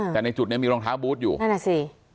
แต่ในจุดนี้มีรองเท้าบูธอยู่นั่นน่ะสิ